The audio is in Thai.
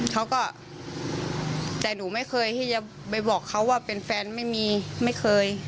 เขาก็แต่หนูไม่เคยที่จะไปบอกเขาว่าเป็นแฟนไม่มีไม่เคย